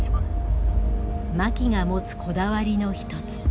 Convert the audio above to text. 槇が持つこだわりの一つ。